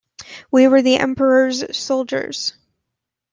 We were the emperor's soldiers.